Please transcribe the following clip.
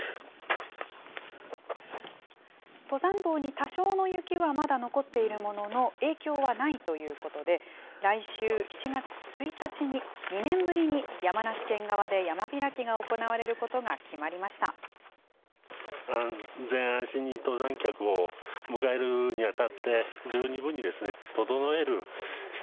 登山道に多少の雪はまだ残っているものの、影響はないということで、来週７月１日に、２年ぶりに山梨県側で山開きが行われることが決まりました。